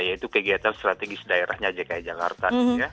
yaitu kegiatan strategis daerahnya dki jakarta